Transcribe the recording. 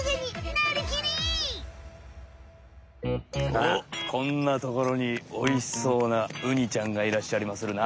おっこんなところにおいしそうなウニちゃんがいらっしゃりまするな。